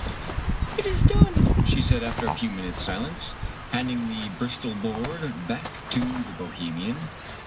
" It is done !" she said, after a few minutes* silence, handing the Bristol board back to the Bohemian.